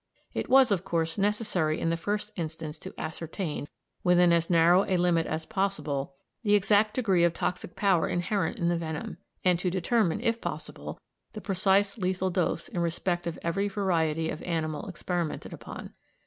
It was, of course, necessary in the first instance to ascertain, within as narrow a limit as possible, the exact degree of toxic power inherent in the venom, and to determine, if possible, the precise lethal dose in respect of each variety of animal experimented upon.